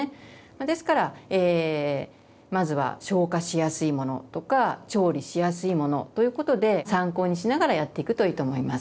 ですからまずは消化しやすいものとか調理しやすいものということで参考にしながらやっていくといいと思います。